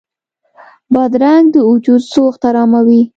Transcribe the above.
بادرنګ د وجود سوخت اراموي.